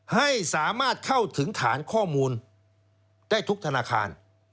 ให้สามารถเข้าถึงฐานข้อมูลได้ทุกธนาคาร